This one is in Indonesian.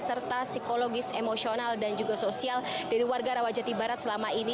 serta psikologis emosional dan juga sosial dari warga rawajati barat selama ini